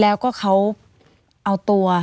แล้วก็เขาเอาตัว